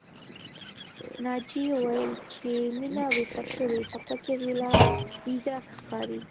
ناجيې وويل چې مينه ويښه شوې خو فکر يې لا ويده ښکاري